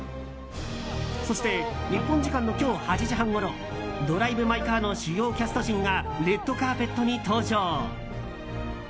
そして、日本時間の今日８時半ごろ「ドライブ・マイ・カー」の主要キャスト陣がレッドカーペットに登場。